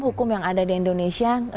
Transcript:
hukum yang ada di indonesia